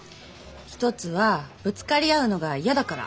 一つはぶつかり合うのが嫌だから。